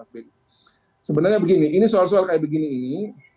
sebenarnya begini ini soal soal kayak begini ini